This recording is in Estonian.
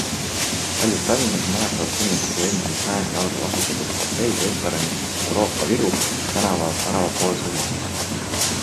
Paljud tallinlased mäletavad kindlasti ka eelmise sajandi algul asutatud hotell-restorani Euroopa Viru tänava väravapoolses otsas.